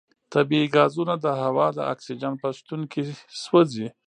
طبیعي غازونه د هوا د اکسیجن په شتون کې سوځي.